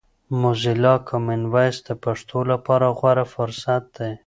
موزیلا کامن وایس د پښتو لپاره غوره فرصت دی.